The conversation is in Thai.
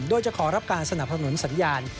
โดยจะขอรับการสนับสนุนสัญญาณ